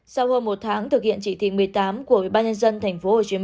sau hơn một tháng thực hiện chỉ thị một mươi tám của ubnd tp hcm